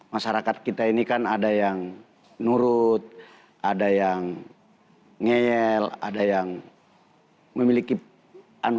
masyarakat kita ini kan ada yang nurut ada yang ngeyel ada yang memiliki